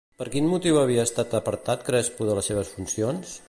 Per quin motiu havia estat apartat Crespo de les seves funcions?